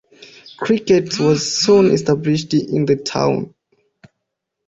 Cricket was soon established in the town.